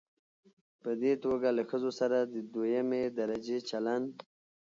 په دې توګه له ښځو سره د دويمې درجې چلن